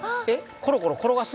コロコロ転がす？